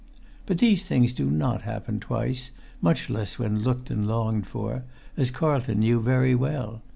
But these things do not happen twice, much less when looked and longed for, as Carlton knew very well.